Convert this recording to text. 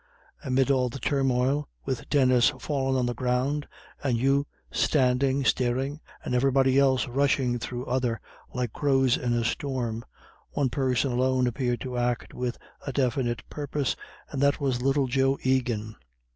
Amid all the turmoil, with Denis fallen on the ground, and Hugh standing staring, and everybody else rushing through other like crows in a storm, one person alone appeared to act with a definite purpose, and that was little Joe Egan.